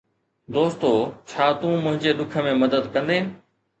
دوستو، ڇا تون منهنجي ڏک ۾ مدد ڪندين؟